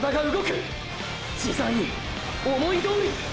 自在に！！思いどおりに！！